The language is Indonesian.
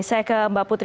saya ke mbak putri